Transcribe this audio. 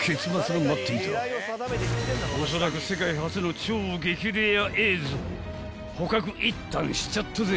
［おそらく世界初の超激レア映像］［捕獲一反しちゃったぜ！］